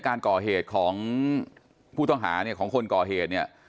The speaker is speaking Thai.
การก่อเหตุของผู้ต้องหาเนี่ยของคนก่อเหตุเนี่ย